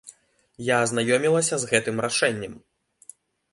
Я азнаёмілася з гэтым рашэннем.